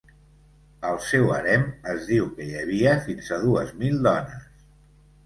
Al seu harem, es diu que hi havia fins a dues mil dones.